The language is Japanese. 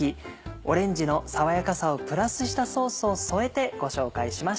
オレンジの爽やかさをプラスしたソースを添えてご紹介しました。